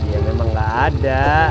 ya memang gak ada